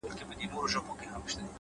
لوړ همت ناامیدي کمزورې کوي؛